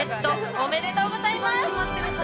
おめでとうございます！